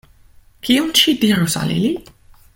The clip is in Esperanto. Kion ŝi dirus al ili?